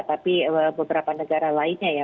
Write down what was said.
tapi beberapa negara lainnya